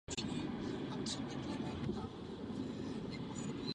Po absolvování gymnázia studoval medicínu na Lékařské fakultě Moskevské státní univerzity.